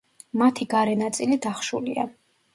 მათი გარე ნაწილი დახშულია.